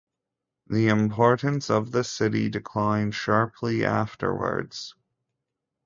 The importance of the city declined sharply afterwards.